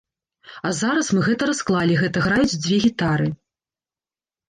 А зараз мы гэта расклалі, гэта граюць дзве гітары.